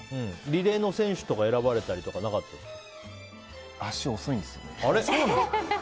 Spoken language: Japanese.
リレーの選手とか選ばれたりなかったですか？